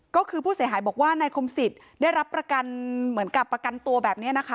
ก็คือผู้เสียหายบอกว่านายคมสิทธิ์ได้รับประกันตัวแบบนี้นะคะ